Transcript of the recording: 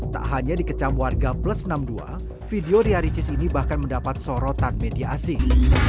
tak hanya dikecam warga plus enam puluh dua video ria ricis ini bahkan mendapat sorotan media asing